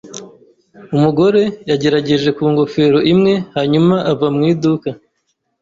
Umugore yagerageje ku ngofero imwe, hanyuma ava mu iduka.